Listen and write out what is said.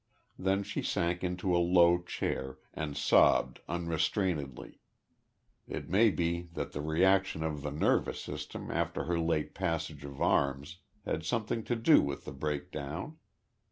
Then she sank into a low chair and sobbed unrestrainedly it may be that the reaction of the nervous system after her late passage of arms had something to do with the breakdown.